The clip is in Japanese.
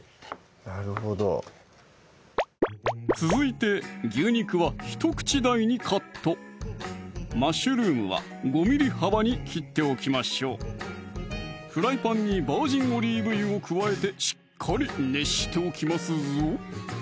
なるほど続いて牛肉はひと口大にカットマッシュルームは５ｍｍ幅に切っておきましょうフライパンにバージンオリーブ油を加えてしっかり熱しておきますぞ